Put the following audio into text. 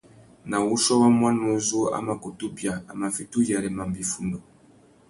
Nà wuchiô wa muaná uzu a mà kutu bia, a mà fiti uyêrê mamba iffundu.